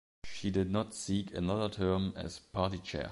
She did not seek another term as party chair.